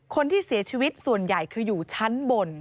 คนที่เสียชีวิตส่วนใหญ่คืออยู่ชั้นบน